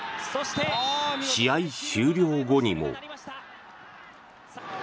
試合終了後にも。